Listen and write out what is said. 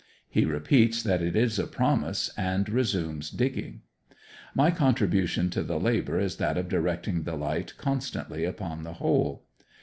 He repeats that it is a promise, and resumes digging. My contribution to the labour is that of directing the light constantly upon the hole.